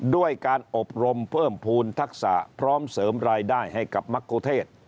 ด้วยการอบรมเพิ่มภูมิทักษะพร้อมเสริมรายได้ให้กับมะกุเทศ